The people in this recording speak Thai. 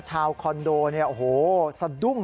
คอนโดเนี่ยโอ้โหสะดุ้ง